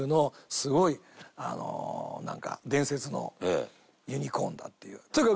すごいなんか伝説のユニコーンだっていう。